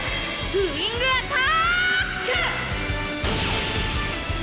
ウィングアターック！